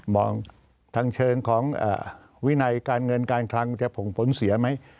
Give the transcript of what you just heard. ทางเชิงของวินัยการเงินการคลังจะผงผลเสียไหม